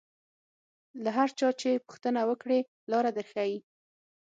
له هر چا چې پوښتنه وکړې لاره در ښیي.